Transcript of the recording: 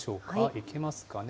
いきますかね。